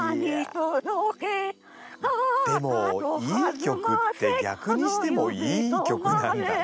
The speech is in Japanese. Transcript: でもいい曲って逆にしてもいい曲なんだね。